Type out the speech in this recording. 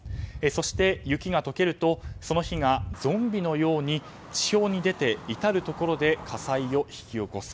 そして、雪が解けるとその火がゾンビのように地表に出て至るところで火災を引き起こす。